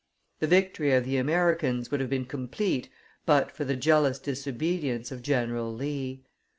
The victory of the Americans would have been complete but for the jealous disobedience of General Lee.